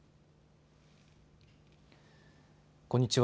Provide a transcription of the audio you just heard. こんにちは。